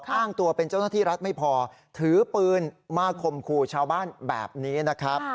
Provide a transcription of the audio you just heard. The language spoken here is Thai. อ้างตัวเป็นเจ้าหน้าที่รัฐไม่พอถือปืนมาข่มขู่ชาวบ้านแบบนี้นะครับ